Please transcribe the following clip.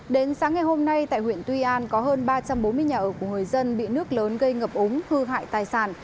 đến sáng ngày hôm nay tại huyện tuy an có hơn ba trăm bốn mươi nhà ở của người dân bị nước lớn gây ngập úng hư hại tài sản